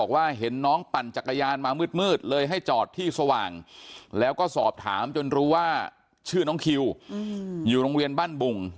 ก็สอบถามจนรู้ว่าชื่อน้องคิวอยู่โรงเรียนบ้านบุง